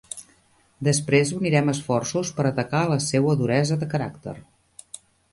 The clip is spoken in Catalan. Després unirem esforços per atacar la seua duresa de caràcter.